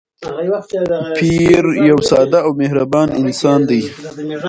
پییر یو ساده او مهربان انسان دی.